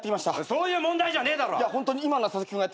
そういう問題じゃねえだろ！